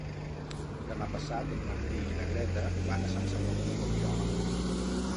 Demà passat en Martí i na Greta van a Sant Salvador de Guardiola.